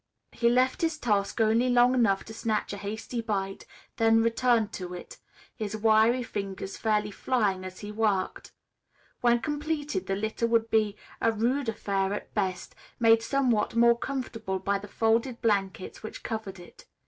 He left his task only long enough to snatch a hasty bite, then returned to it, his wiry fingers fairly flying as he worked. When completed, the litter would be a rude affair at best, made somewhat more comfortable by the folded blankets which covered it.